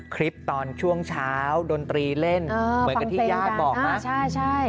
คลิปตอนช่วงเช้าดนตรีเล่นเหมือนกับที่ญาติบอกนะอ่าฟังเพลงกันอ่าใช่